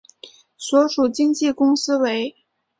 所属经纪公司为。